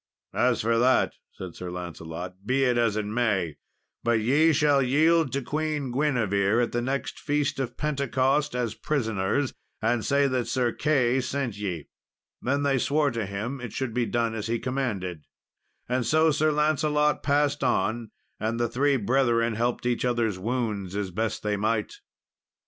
"As for that," said Sir Lancelot, "be it as it may, but ye shall yield to Queen Guinevere at the next feast of Pentecost as prisoners, and say that Sir Key sent ye." Then they swore to him it should be done as he commanded. And so Sir Lancelot passed on, and the three brethren helped each other's wounds as best they might.